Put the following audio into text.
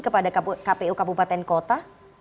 kepada kpu kabupaten kota